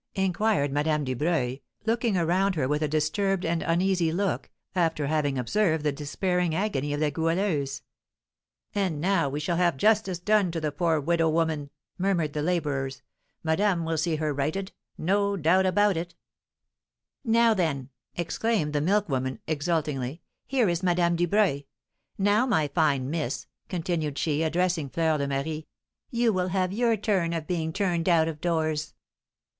inquired Madame Dubreuil, looking around her with a disturbed and uneasy look, after having observed the despairing agony of the Goualeuse. "Ah, now we shall have justice done the poor widow woman!" murmured the labourers. "Madame will see her righted, no doubt about it!" "Now, then," exclaimed the milk woman, exultingly, "here is Madame Dubreuil. Now, my fine miss," continued she, addressing Fleur de Marie, "you will have your turn of being turned out of doors!"